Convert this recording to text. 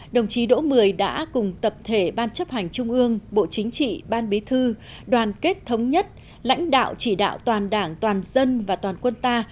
đồng chí đỗ mười đã cùng tập thể ban chấp hành trung ương bộ chính trị ban bí thư đoàn kết thống nhất lãnh đạo chỉ đạo toàn đảng toàn dân và toàn quân ta